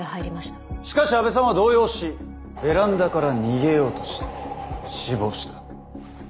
しかし阿部さんは動揺しベランダから逃げようとして死亡した。